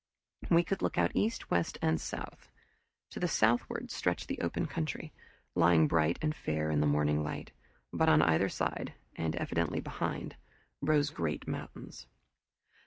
We could look out east, west, and south. To the southeastward stretched the open country, lying bright and fair in the morning light, but on either side, and evidently behind, rose great mountains.